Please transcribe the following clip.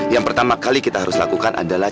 yang pertama kali kita harus lakukan adalah